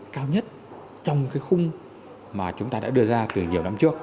cao nhất trong cái khung mà chúng ta đã đưa ra từ nhiều năm trước